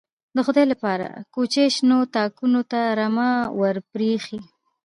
_د خدای له پاره، کوچي شنو تاکونو ته رمه ور پرې اېښې.